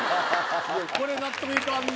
これ納得いかんな。